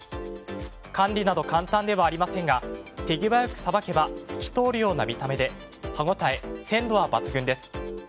管理など簡単ではありませんが手際よくさばけば透き通るような見た目で歯ごたえ、鮮度は抜群です。